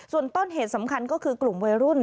ส่วนต้นเหตุสำคัญก็คือกลุ่มวัยรุ่น